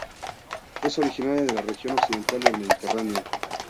Es originaria de la región occidental del Mediterráneo.